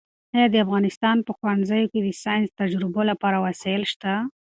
ایا د افغانستان په ښوونځیو کې د ساینسي تجربو لپاره وسایل شته؟